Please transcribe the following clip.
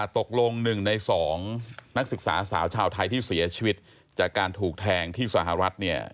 ตกลง๑ใน๒นักศึกษาสาวชาวไทยที่เสียชีวิตจากการถูกแทงที่สหรัฐเนี่ย